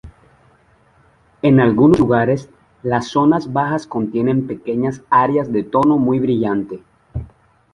En algunos lugares, las zonas bajas contienen pequeñas áreas de tono muy brillante.